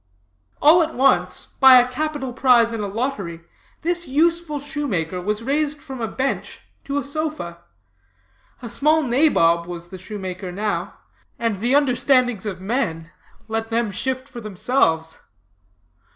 All at once, by a capital prize in a lottery, this useful shoemaker was raised from a bench to a sofa. A small nabob was the shoemaker now, and the understandings of men, let them shift for themselves.